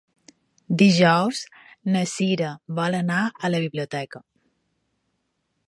Dijous na Cira vol anar a la biblioteca.